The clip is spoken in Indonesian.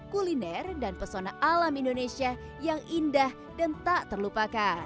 kuliner dan pesona alam indonesia yang indah dan tak terlupakan